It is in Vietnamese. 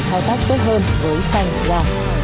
thao tác tốt hơn với phanh và